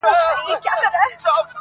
موږ چي د پردیو په ګولیو خپل ټټر ولو-